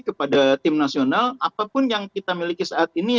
kepada tim nasional apapun yang kita miliki saat ini